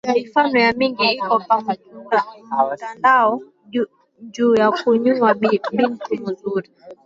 Mifano ya mingi iko pa mutandao, njuu ya kuyuwa bintu muzuri